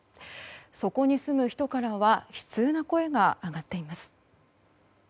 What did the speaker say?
そこに住む人からは悲痛な声が上がっています。